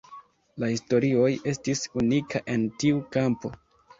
Lia Historioj estis unika en tiu kampo.